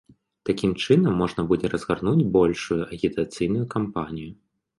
Такім чынам, можна будзе разгарнуць большую агітацыйную кампанію.